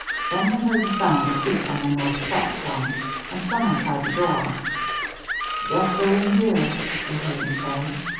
Then they heard the sound of feet on the north platform, and some one tried the door. "Guess they're in here," they heard him say.